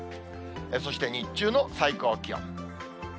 そして日中の最高気温。